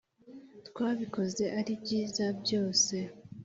twabikoze ari byiza byose